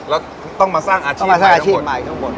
แล้วต้องมาสร้างอาชีพใหม่ทั้งหมด